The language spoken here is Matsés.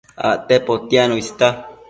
Acte potiacno ista